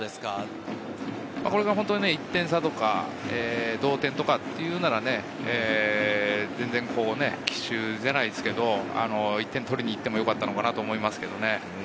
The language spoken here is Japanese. これが１点差とか、同点とかというなら、奇襲じゃないんですけれど、１点取りにいってもよかったのかと思います。